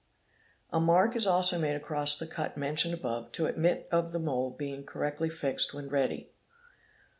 A mark is also made across the cut mentioned above to admit of the mould being correctly fixed when ready.